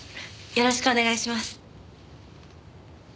よろしくお願いします。